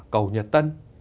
cầu nhật tân